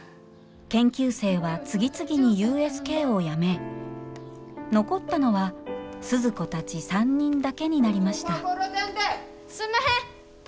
研究生は次々にＵＳＫをやめ残ったのは鈴子たち３人だけになりましたすんまへん！